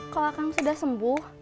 kalau kang sudah sembuh